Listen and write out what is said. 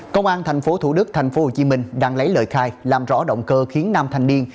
công an tp thủ đức tp hcm đang lấy lời khai làm rõ động cơ khiến nam thanh niên